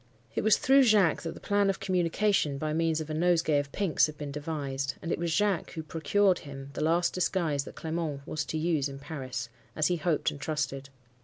It was through Jacques that the plan of communication, by means of a nosegay of pinks, had been devised; and it was Jacques who procured him the last disguise that Clement was to use in Paris—as he hoped and trusted.